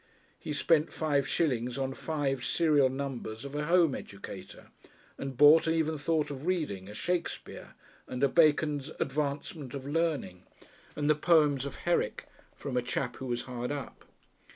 He spent five shillings on five serial numbers of a Home Educator, and bought (and even thought of reading) a Shakespeare and a Bacon's "Advancement of Learning" and the poems of Herrick from a chap who was hard up.